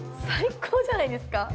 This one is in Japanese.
◆最高じゃないですか。